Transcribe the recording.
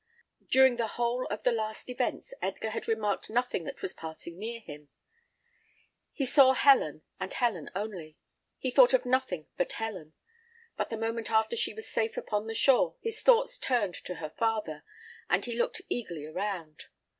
During the whole of the last events Edgar had remarked nothing that was passing near him. He saw Helen, and Helen only. He thought of nothing but Helen; but the moment after she was safe upon the shore, his thoughts turned to her father, and he looked eagerly around.